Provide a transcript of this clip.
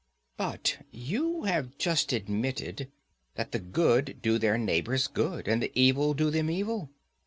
But you have just admitted that the good do their neighbours good, and the evil do them evil.